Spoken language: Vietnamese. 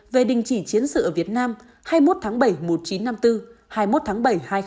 về đình chỉ chiến sự ở việt nam hai mươi một tháng bảy một nghìn chín trăm năm mươi bốn hai mươi một tháng bảy hai nghìn hai mươi bốn